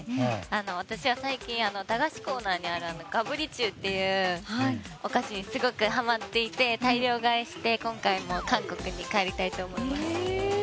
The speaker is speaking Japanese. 私は最近、駄菓子コーナーにあるガブリチュウっていうお菓子にすごくはまっていて大量買いして、今回も韓国に帰りたいと思います。